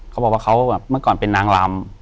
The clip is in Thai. เขาบอกว่าเขาแบบเมื่อก่อนเป็นนางลำ